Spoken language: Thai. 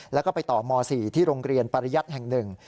แล้วก็ไปต่อม๔ที่โรงเรียนปริยัติแห่งหนึ่ง